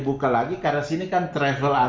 buka lagi karena sini kan travel